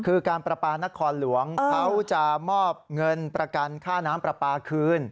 คือการประปานครหลวงเขาจะมอบเงินประกันค่าน้ำปลาปลาคืน